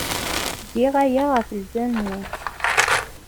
Giɣ aya ɣef lǧal-nwen.